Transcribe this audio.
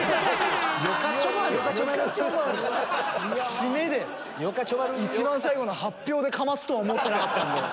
締めで⁉一番最後の発表でかますとは思ってなかったんで。